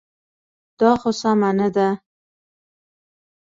دا خو سمه نه ده.